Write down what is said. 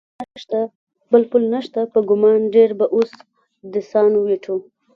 بل پل نشته، په ګمان ډېر به اوس د سان وېټو.